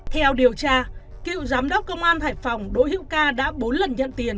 theo điều tra cựu giám đốc công an hải phòng đỗ hữu ca đã bốn lần nhận tiền